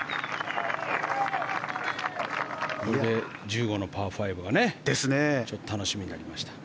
これで１５のパー５が楽しみになりましたね。